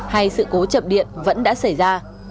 hay sự cố chậm điện vẫn đã xảy ra